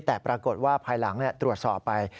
แต่ปรากฏว่าภายหลังตรวจสอบไป